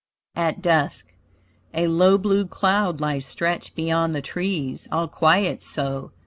AT DUSK A low blue cloud lies stretched beyond the trees, All quiet so.